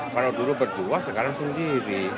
kalau dulu berdua sekarang sendiri